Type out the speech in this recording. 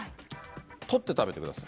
取って食べてください。